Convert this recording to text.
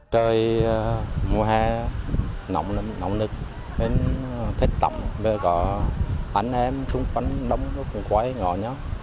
trời mùa hè nồng nực thích tắm bây giờ có anh em xung quanh đóng quái ngò nhó